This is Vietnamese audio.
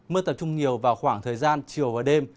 mưa tập trung nhiều vào khoảng thời gian chiều và đêm